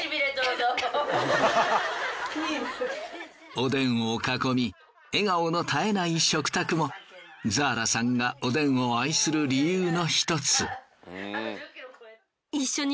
おでんを囲み笑顔の絶えない食卓もザーラさんがおでんを愛する理由の一つ。